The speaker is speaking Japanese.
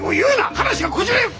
話がこじれる！